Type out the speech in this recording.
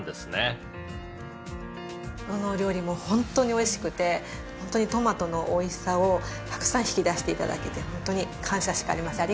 どのお料理もホントにおいしくてホントにトマトのおいしさをたくさん引き出して頂けてホントに感謝しかありません。